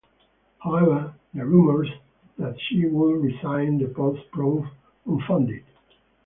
However the rumours that she would resign the post proved unfounded.